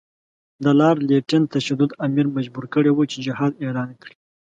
د لارډ لیټن تشدد امیر مجبور کړی وو چې جهاد اعلان کړي.